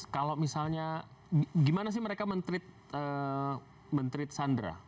kalau misalnya gimana sih mereka men treat men treat sandra